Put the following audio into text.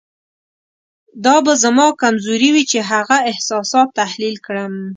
دا به زما کمزوري وي چې هغه احساسات تحلیل کړم.